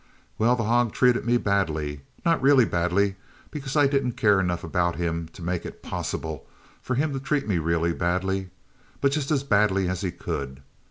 "Well, the hog treated me badly not really badly, because I didn't care enough about him to make it possible for him to treat me really badly, but just as badly as he could.